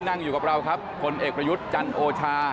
นั่งอยู่กับเราครับคนเอกประยุทธ์จันโอชา